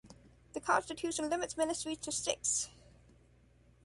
The Constitution limits ministries to six.